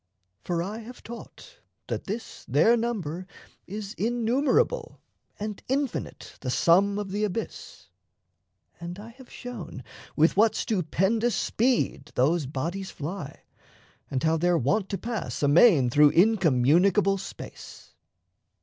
For I have taught That this their number is innumerable And infinite the sum of the Abyss, And I have shown with what stupendous speed Those bodies fly and how they're wont to pass Amain through incommunicable space.